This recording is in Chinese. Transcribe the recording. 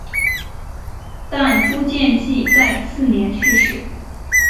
但朱见济在次年去世。